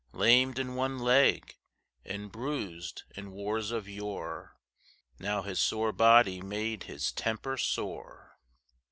Lamed in one leg, and bruised in wars of yore, Now his sore body made his temper sore.